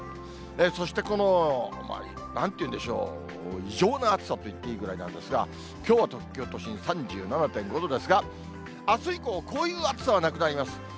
そして、このなんていうんでしょう、異常な暑さと言っていいぐらいなんですが、きょうは東京都心３７．５度ですが、あす以降、こういう暑さはなくなります。